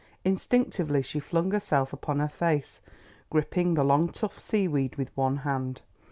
Instinctively she flung herself upon her face, gripping the long tough seaweed with one hand.